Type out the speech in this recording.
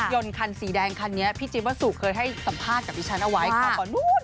ยนต์คันสีแดงคันนี้พี่จิ๊บว่าสู่เคยให้สัมภาษณ์กับพี่ฉันเอาไว้